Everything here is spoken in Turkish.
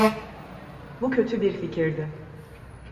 Bu kötü bir fikirdi.